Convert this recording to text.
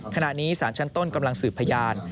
ขณะนี้สารชั้นต้นกำลังสืบพยาน